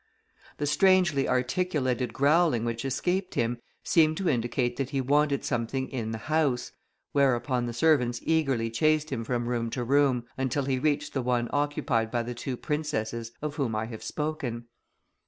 The strangely articulated growling which escaped him, seemed to indicate that he wanted something in the house, whereupon the servants eagerly chased him from room to room, until he reached the one occupied by the two princesses of whom I have spoken.